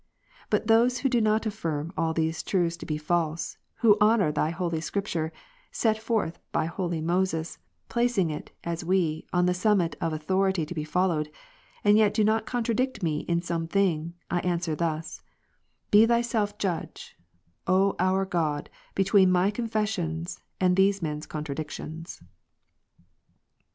But those who do not affirm all these truths to be false, who honour Thy holy Scripture, set forth by holy Moses, placing it, as we, on the summit of au thority to be followed, and do yet contradict me in some thing, I answer thus; Be Thyself Judge, O our God, between my Confessions and these men's contradictions.